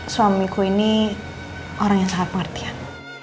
suamiku ini orang yang sangat pengertian